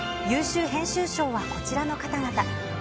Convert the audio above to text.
優秀編集賞はこちらの方々。